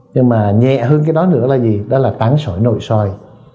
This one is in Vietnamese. nhưng mà nhẹ hơn cái đó nữa là gì đó là tảng sỏi nội soi